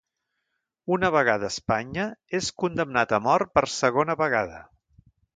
Una vegada a Espanya és condemnat a mort per segona vegada.